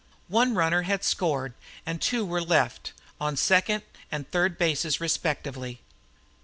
One runner had scored, and two were left, on second and third bases respectively.